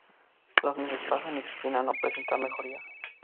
Los meses pasan, y Cristina no presenta mejoría.